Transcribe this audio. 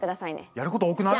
やること多くない？